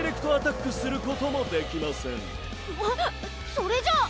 それじゃあ。